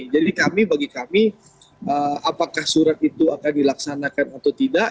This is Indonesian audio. jadi kami bagi kami apakah surat itu akan dilaksanakan atau tidak